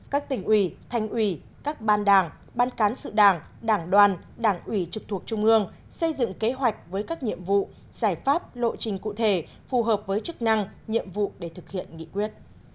các tỉnh ủy thành ủy các ban đảng ban cán sự đảng đảng đoàn đảng ủy trực thuộc trung ương xây dựng kế hoạch với các nhiệm vụ giải pháp lộ trình cụ thể phù hợp với chức năng nhiệm vụ để thực hiện nghị quyết